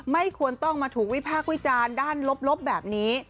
ไม่ควรต้องมาถูกวิพากษ์วิจารณ์ด้านลบแบบนี้